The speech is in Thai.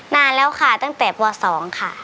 นานแล้วค่ะตั้งแต่ป๒ค่ะ